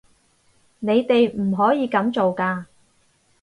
你哋唔可以噉做㗎